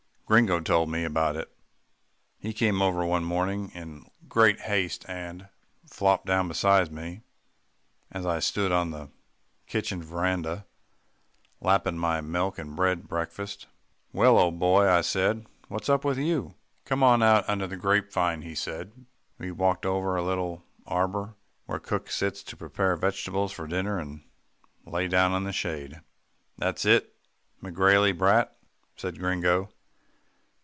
Gringo told me about it. He came over one morning in great haste, and flopped down beside me, as I stood on the kitchen veranda, lapping my bread and milk breakfast. "Well, old boy," I said, "what's up with you?" "Come on out under the grapevine," he said. We walked over to a little arbour where cook sits to prepare vegetables for dinner, and lay down in the shade. "It's that McGrailey brat," said Gringo.